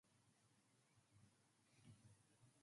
Hamilton lives in Greenwich Village with his wife Jennifer.